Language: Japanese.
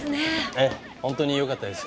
ええ本当によかったです。